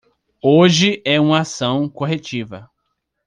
Hoje é uma ação corretiva